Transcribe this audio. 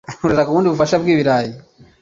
Urashaka ubundi bufasha bwibirayi?